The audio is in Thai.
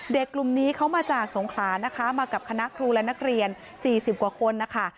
กลุ่มนี้เขามาจากสงขลานะคะมากับคณะครูและนักเรียน๔๐กว่าคนนะคะ